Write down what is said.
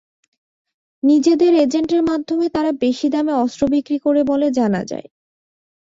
নিজেদের এজেন্টের মাধ্যমে তারা বেশি দামে অস্ত্র বিক্রি করে বলে জানা যায়।